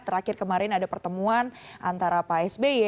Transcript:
terakhir kemarin ada pertemuan antara pak sby